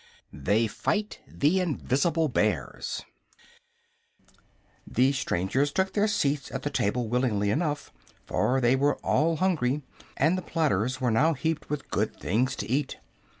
THEY FIGHT THE INVISIBLE BEARS The strangers took their seats at the table willingly enough, for they were all hungry and the platters were now heaped with good things to eat.